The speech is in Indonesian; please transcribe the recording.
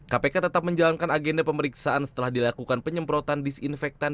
kpk tetap menjalankan agenda pemeriksaan setelah dilakukan penyemprotan disinfektan